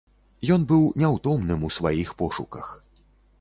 Ён быў няўтомным у сваіх пошуках.